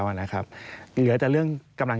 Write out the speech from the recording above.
สวัสดีค่ะที่จอมฝันครับ